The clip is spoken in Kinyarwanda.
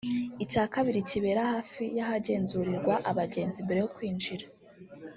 icya kabiri kibera hafi y’ahagenzurirwa abagenzi mbere yo kwinjira